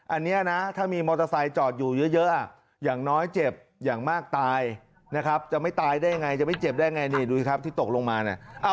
อันนี้นะถ้ามีมอเตอร์ไซค์จอดอยู่เยอะอย่างน้อยเจ็บอย่างมากตายนะครับจะไม่ตายได้ยังไงจะไม่เจ็บได้ไงนี่ดูสิครับที่ตกลงมาเนี่ย